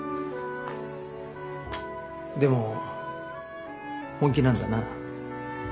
でも本気なんだな。